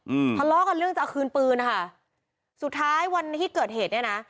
อืมทะเลาะกันเรื่องจะเอาคืนปืนนะคะสุดท้ายวันที่เกิดเหตุเนี้ยน่ะ